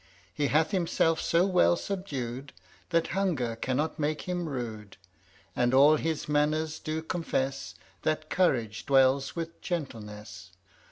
He hath himself so well subdued, That hunger cannot make him rude; And all his manners do confess That courage dwells with gentleness.